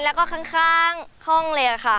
แล้วก็ข้างห้องเลยค่ะ